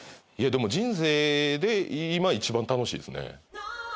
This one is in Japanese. いやでも人生で今一番楽しいですね。